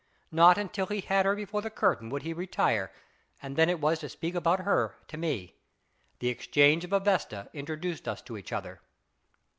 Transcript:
Not until he had her before the curtain would he retire, and then it was to speak about her to me. The exchange of a vesta introduced us to each other.